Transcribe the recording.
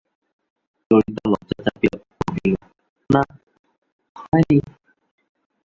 ললিতা লজ্জা চাপিয়া কহিল, না, হয় নি।